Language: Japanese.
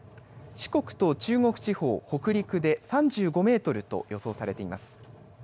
四国と中国地方、北陸で３５メートルと予想されています。